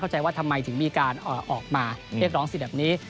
จะออกมาเช็คร้องสินแบบนี้